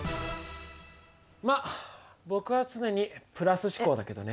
まっ僕は常にプラス思考だけどね。